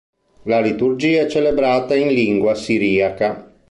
La liturgia è celebrata in lingua siriaca.